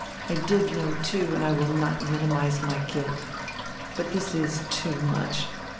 I did 'know, too, and I will not minimize my guilt But this is too much.